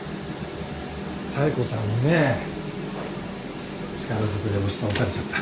妙子さんにね力ずくで押し倒されちゃった。